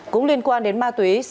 cũng liên quan đến ma túy